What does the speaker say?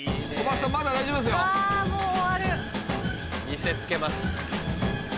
見せつけます。